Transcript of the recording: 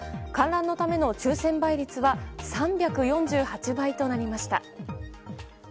観覧のための抽選倍率は３４８倍となりました。